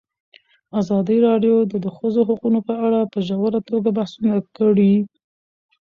ازادي راډیو د د ښځو حقونه په اړه په ژوره توګه بحثونه کړي.